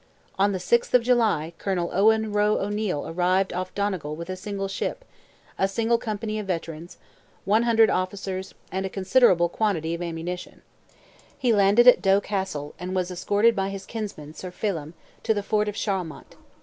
On the 6th of July, Colonel Owen Roe O'Neil arrived off Donegal with a single ship, a single company of veterans, 100 officers, and a considerable quantity of ammunition. He landed at Doe Castle, and was escorted by his kinsman, Sir Phelim, to the fort of Charlemont.